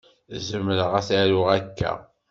Zemreɣ ad t-aruɣ akka?